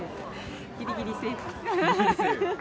ぎりぎりセーフ。